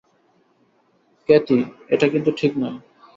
Kathy, এটা কিন্তু ঠিক নয়।